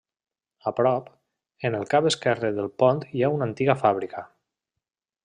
A prop, en el cap esquerre del pont hi ha una antiga fàbrica.